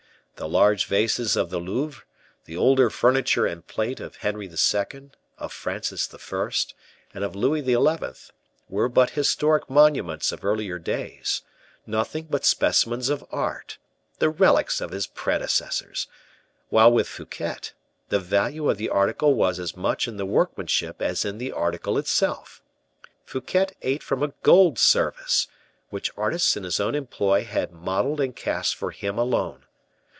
The large vases of the Louvre, the older furniture and plate of Henry II., of Francis I., and of Louis XI., were but historic monuments of earlier days; nothing but specimens of art, the relics of his predecessors; while with Fouquet, the value of the article was as much in the workmanship as in the article itself. Fouquet ate from a gold service, which artists in his own employ had modeled and cast for him alone.